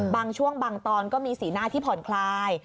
บางช่วงบางตอนก็มีสีหน้าที่ผ่อนคลาย